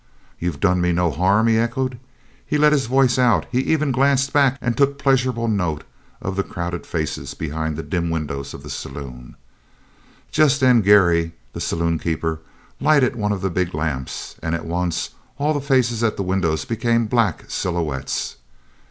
"You've done me no harm?" he echoed. He let his voice out; he even glanced back and took pleasurable note of the crowded faces behind the dim windows of the saloon. Just then Geary, the saloon keeper, lighted one of the big lamps, and at once all the faces at the windows became black silhouettes.